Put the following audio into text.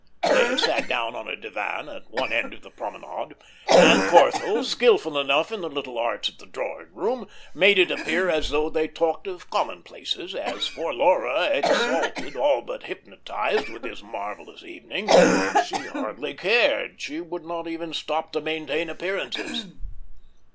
They had sat down on a divan, at one end of the promenade; and Corthell, skilful enough in the little arts of the drawing room, made it appear as though they talked of commonplaces; as for Laura, exalted, all but hypnotised with this marvellous evening, she hardly cared; she would not even stoop to maintain appearances.